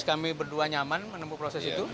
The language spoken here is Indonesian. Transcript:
kami berdua nyaman menempuh proses itu